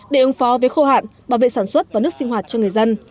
để ứng phó với khô hạn bảo vệ sản xuất và nước sinh hoạt cho người dân